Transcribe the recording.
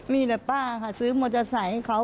มีแต่ป้าค่ะซื้อมอเตอร์ไซค์ให้เขา